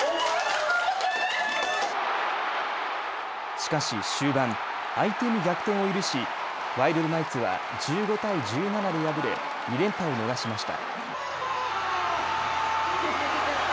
しかし終盤、相手に逆転を許しワイルドナイツは１５対１７で敗れ２連覇を逃しました。